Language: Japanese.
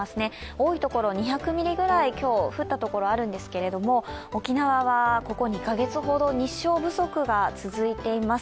多いところは２００ミリぐらい、今日、降ったところがあるんですけど沖縄はここ２か月ほど日照不足が続いています。